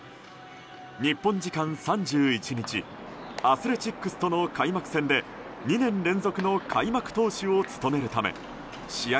日本時間３１日アスレチックスとの開幕戦で２年連続の開幕投手を務めるため試合